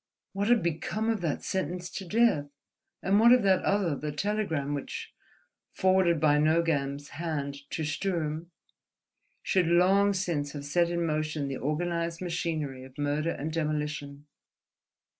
What had become of that sentence to death? And what of that other, the telegram which, forwarded by Nogam's hand to Sturm, should long since have set in motion the organized machinery of murder and demolition?